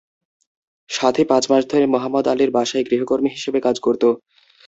সাথী পাঁচ মাস ধরে মোহাম্মদ আলীর বাসায় গৃহকর্মী হিসেবে কাজ করত।